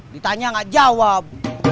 ditanya nggak jawab